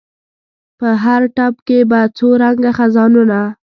په هر ټپ کې په څو رنګه خزانونه